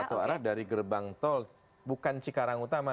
satu arah dari gerbang tol bukan cikarang utama